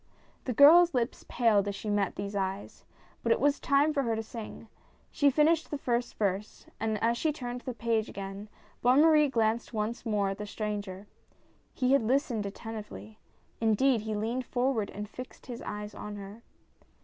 The girl's lips paled as she met these eyes, but it was time for her to sing. She finished the first verse, and as she turned the page again, Bonne Marie glanced once more at the stranger. He had listened attentively — indeed, he leaned forward and fixed his eyes on her.